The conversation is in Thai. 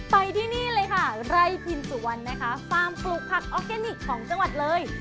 ไปที่นี่เลยค่ะไร่พินสุวรรณนะคะฟาร์มปลูกผักออร์แกนิคของจังหวัดเลย